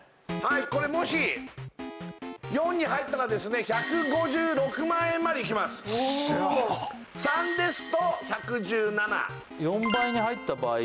これもし４に入ったらですね１５６万円までいきますお３ですと１１７４倍に入った場合